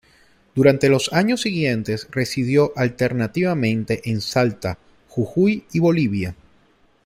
Durante los años siguientes residió alternativamente en Salta, Jujuy y Bolivia.